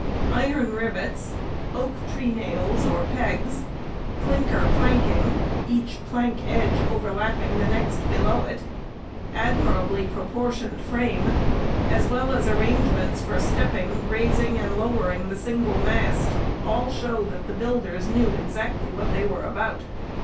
Iron rivets, oak treenails (or pegs), clinker planking (each plank edge overlapping the next below it), admirably proportioned frame, as well as arrangements for stepping, raising, and lowering the single mast, all show that the builders knew exactly what they were about.